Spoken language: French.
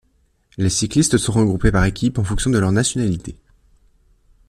Les cyclistes sont regroupés par équipes en fonction de leur nationalité.